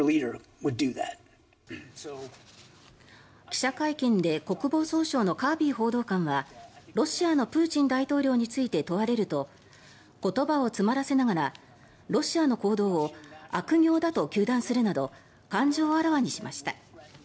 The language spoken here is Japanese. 記者会見で国防総省のカービー報道官はロシアのプーチン大統領について問われると言葉を詰まらせながらロシアの行動を悪行だと糾弾するなど感情をあらわにしました。